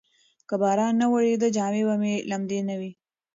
که باران نه وریده، جامې به یې لمدې نه وای.